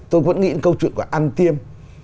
tôi vẫn nghĩ câu chuyện của an tiêm